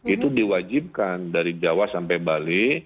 itu diwajibkan dari jawa sampai bali